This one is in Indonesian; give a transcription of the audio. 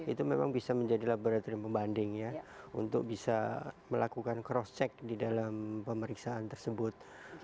itu memang bisa menjadi laboratorium pembanding ya untuk bisa melakukan cross check di dalam pemeriksaan tersebut